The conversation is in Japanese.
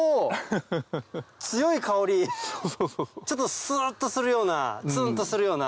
ちょっとスっとするようなツンとするような。